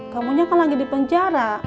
kamunya kan lagi di penjara